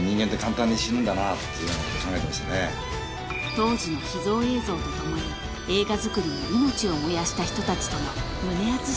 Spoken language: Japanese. ［当時の秘蔵映像とともに映画作りに命を燃やした人たちとの］